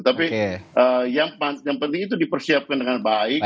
tapi yang penting itu dipersiapkan dengan baik